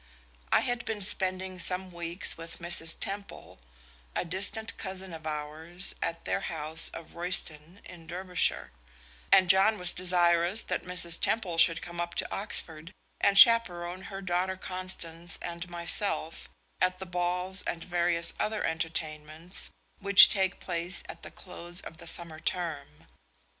I had been spending some weeks with Mrs. Temple, a distant cousin of ours, at their house of Royston in Derbyshire, and John was desirous that Mrs. Temple should come up to Oxford and chaperone her daughter Constance and myself at the balls and various other entertainments which take place at the close of the summer term.